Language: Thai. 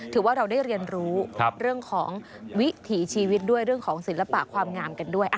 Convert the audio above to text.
ถือว่าเราได้เรียนรู้เรื่องของวิถีชีวิตด้วยเรื่องของศิลปะความงามกันด้วย